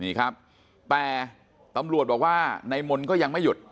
นี่ครับแต่ตำรวจบอกว่านายมนต์ก็ยังไม่หยุด